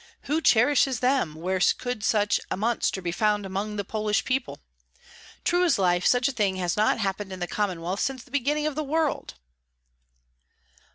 Who cherishes them, where could such a monster be found among the Polish people? True as life, such a thing has not happened in the Commonwealth since the beginning of the world."